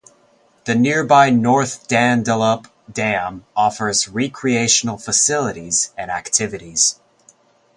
The nearby North Dandalup Dam offers recreational facilities and activities.